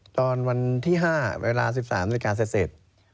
ตอนวันที่๕เวลา๑๓นาฬิกาเสร็จ